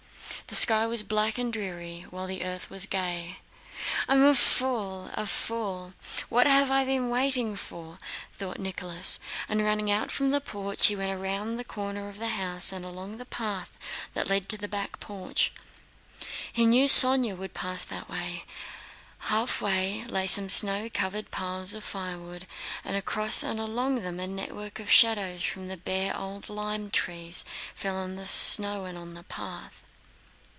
The sky was black and dreary, while the earth was gay. "I am a fool, a fool! what have I been waiting for?" thought Nicholas, and running out from the porch he went round the corner of the house and along the path that led to the back porch. He knew Sónya would pass that way. Halfway lay some snow covered piles of firewood and across and along them a network of shadows from the bare old lime trees fell on the snow and on the path.